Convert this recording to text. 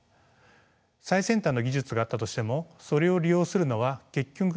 最先端の技術があったとしてもそれを利用するのは結局のところ僕たち人間です。